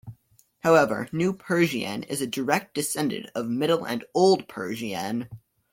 However, New Persian is a direct descendent of Middle and Old Persian.